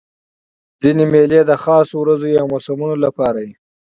ځیني مېلې د خاصو ورځو یا موسمونو له پاره يي.